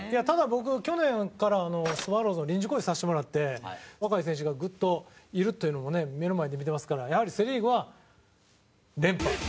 ただ僕去年からスワローズの臨時コーチさせてもらって若い選手がグッといるというのもね目の前で見てますからやはりセ・リーグは連覇。